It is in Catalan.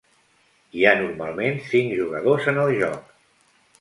Hi ha normalment cinc jugadors en el joc.